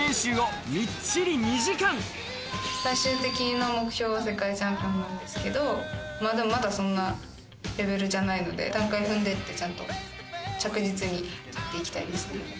最終的な目標は世界チャンピオンなんですけど、まだそんなレベルじゃないので、段階踏んでって、ちゃんと着実に取っていきたいですね。